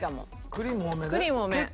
クリーム多め。